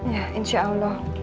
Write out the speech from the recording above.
ya insya allah